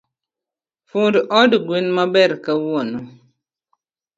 Fund od gwen maber kawuono.